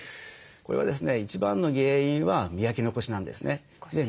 これはですね一番の原因は磨き残しなんですね。